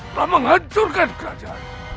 telah menghancurkan kerajaan